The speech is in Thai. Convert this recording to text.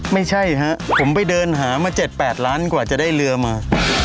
ไม่ใช่ฮะผมไปเดินหามา๗๘ล้านกว่าจะได้เรือมา